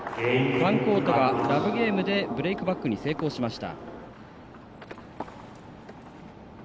ファンコートがラブゲームでブレークバックに成功しました。